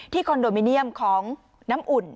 คอนโดมิเนียมของน้ำอุ่น